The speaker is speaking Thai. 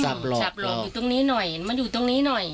คือเขาพยายามสับหลอกสับหลอกสับหลอกอยู่ตรงนี้หน่อย